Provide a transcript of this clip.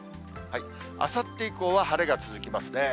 あさって以降は晴れが続きますね。